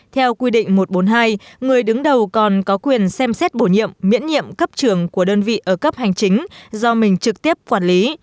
theo quy định một trăm bốn mươi hai người đứng đầu còn có quyền xem xét bổ nhiệm miễn nhiệm cấp trường của đơn vị ở cấp hành chính do mình trực tiếp quản lý